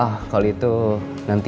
oh kalau itu nanti